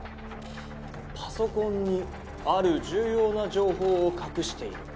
「パソコンにある重要な情報を隠している」